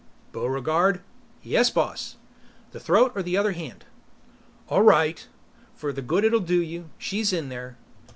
"Buregarde ?" "Yes, boss. The throat or the other hand?" "All right for the good it'll do you. She's in there.